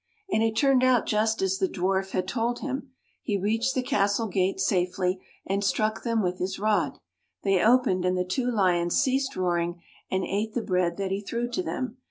And it turned out just a& the Dwarf had told him. He reached the castle gates safely, and struck them with his rod. They opened, and the two lions ceased roaring and ate the bread that he threw to them.